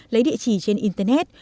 lấy địa chỉ trên internet